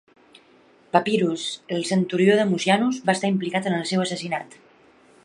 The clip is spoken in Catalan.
Papirus, el centurió de Mucianus, va estar implicat en el seu assassinat.